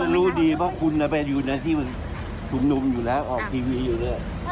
คุณรู้ดีว่าคุณนาเบนอยู่นะที่ชุมนุมอยู่แล้วออกทีวีอยู่แล้ว